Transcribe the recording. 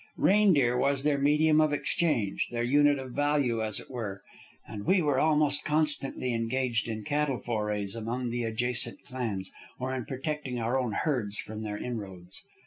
Reindeer was their medium of exchange, their unit of value as it were, and we were almost constantly engaged in cattle forays among the adjacent clans, or in protecting our own herds from their inroads.